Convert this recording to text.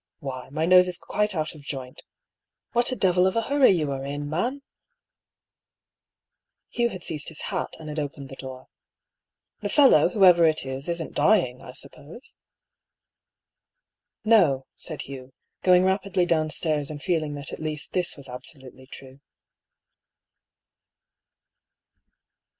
Why, my nose is quite out of joint. What a devil of a hurry you are in, man I " (Hugh had seized his hat, and had opened the door.) " The fellow, whoever it is, isn't dying, I suppose ?"" No," said Hugh, going rapidly downstairs and feel ing that at least this was absolutely true.